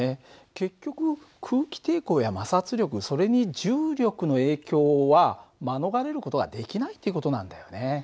結局空気抵抗や摩擦力それに重力の影響は免れる事はできないっていう事なんだよね。